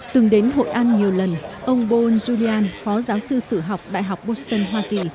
từng đến hội an nhiều lần ông paul julian phó giáo sư sử học đại học boston hoa kỳ